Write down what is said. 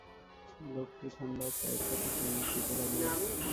লোকটি ঠাণ্ড চায়ের কাপে চুমুক দিতে লাগল।